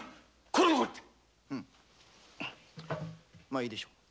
まいいでしょう。